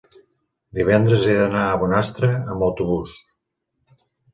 divendres he d'anar a Bonastre amb autobús.